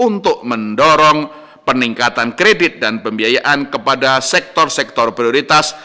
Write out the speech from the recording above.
untuk mendorong peningkatan kredit dan pembiayaan kepada sektor sektor prioritas